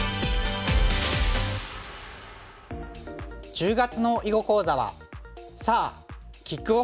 １０月の囲碁講座は「さぁ！キックオフ」。